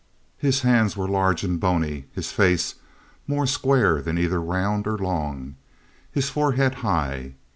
His hands were large and bony, his face more square than either round or long, and his forehead high.